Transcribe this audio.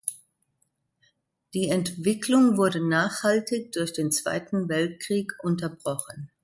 Die Entwicklung wurde nachhaltig durch den Zweiten Weltkrieg unterbrochen.